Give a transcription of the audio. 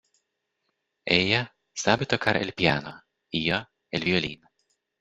Ella sabe tocar el piano, y yo el violín.